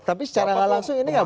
tapi secara langsung ini gak bang